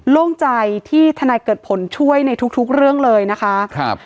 โล่งใจที่ทนายเกิดผลช่วยในทุกทุกเรื่องเลยนะคะครับ